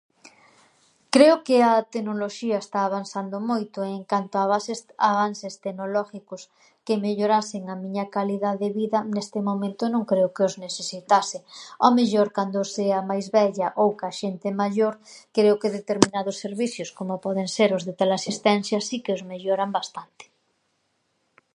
Creo que a tecnoloxía está avansando moito. En canto a avanse- a avanses tecnológicos que mellorasen a miña calidá de vida, neste momento, non creo que os nesesitase, ao mellor cando sea máis vella ou ca xente maior creo que determinados servisios, como poden ser os de teleasistensia, si que os melloran bastante.